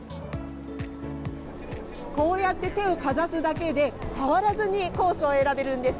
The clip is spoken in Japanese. こうやって手をかざすだけで、触らずにコースを選べるんです。